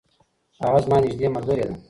هغه زما نږدې ملګرې ده.